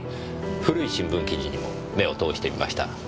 古い新聞記事にも目を通してみました。